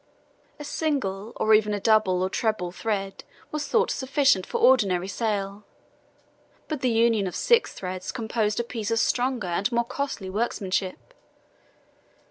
A single, or even a double or treble thread was thought sufficient for ordinary sale; but the union of six threads composed a piece of stronger and more costly workmanship.